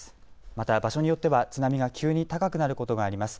また場所によっては津波が急に高くなることがあります。